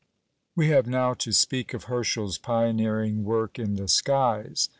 We have now to speak of Herschel's pioneering work in the skies.